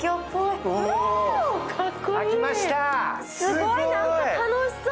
すごい、楽しそう。